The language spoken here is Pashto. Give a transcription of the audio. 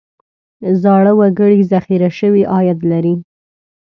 زاړه وګړي ذخیره شوی عاید لري.